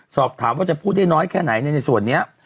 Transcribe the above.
สอบถามว่าจะพูดได้น้อยแค่ไหนในส่วนนี้